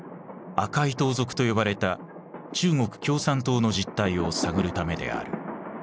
赤い盗賊と呼ばれた中国共産党の実態を探るためである。